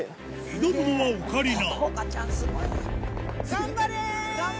挑むのはオカリナ頑張れ！